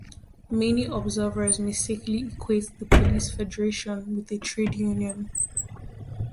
Many observers mistakenly equate the Police Federation with a trade union.